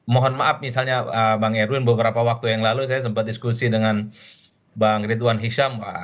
mohon maaf misalnya bang erwin beberapa waktu yang lalu saya sempat diskusi dengan bang ridwan hisham